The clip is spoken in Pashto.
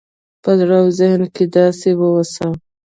په زړه او ذهن کې داسې واوسه